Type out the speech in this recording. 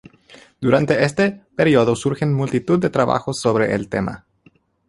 Durante este período surgen multitud de trabajos sobre el tema.